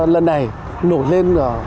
lần này nổ lên